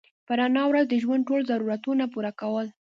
په رڼا ورځ د ژوند ټول ضرورتونه پوره کول